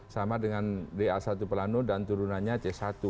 sama dengan da satu plano dan turunannya c satu